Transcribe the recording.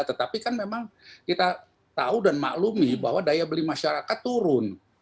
tetapi kan memang kita tahu dan maklumi bahwa daya beli masyarakat turun